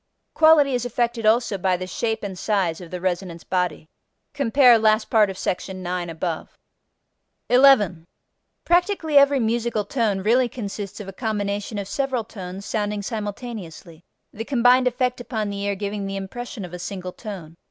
Quality is affected also by the shape and size of the resonance body. (Cf. last part of sec. 9 above.) 11. Practically every musical tone really consists of a combination of several tones sounding simultaneously, the combined effect upon the ear giving the impression of a single tone.